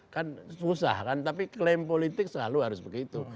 kan susah kan tapi klaim politik selalu harus begitu